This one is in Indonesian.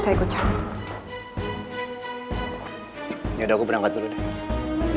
sekarang tiba tiba pengen ngantriin abi ke sekolah